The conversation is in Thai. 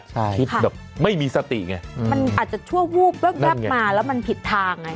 คิดแบบไม่มีสติไงมันอาจจะชั่ววูบมาแล้วมันผิดทางไง